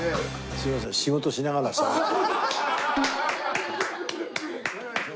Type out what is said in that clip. すいません仕事しながらしゃべって。